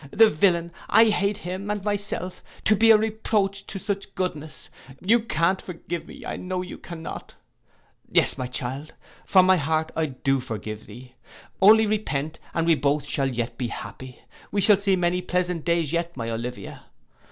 The villain, I hate him and myself, to be a reproach to such goodness. You can't forgive me. I know you cannot.'—'Yes, my child, from my heart I do forgive thee! Only repent, and we both shall yet be happy. We shall see many pleasant days yet, my Olivia!